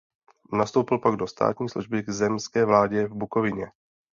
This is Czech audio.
Nastoupil pak do státní služby k zemské vládě v Bukovině.